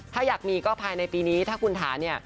ถ้าอยากมีก็ภายในปีนี้ถ้าคุณถาเนี่ย